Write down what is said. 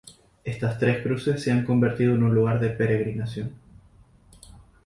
Estas tres cruces se han convertido en un lugar de peregrinación.